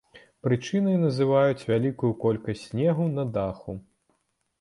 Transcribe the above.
Прычынай называюць вялікую колькасць снегу на даху.